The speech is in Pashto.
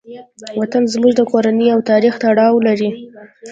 وطن زموږ د کورنۍ او تاریخ تړاو لري.